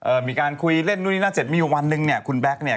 มีการคุยเล่นนู่นนี่นั่นเสร็จมีอยู่วันหนึ่งเนี่ยคุณแบ็คเนี่ย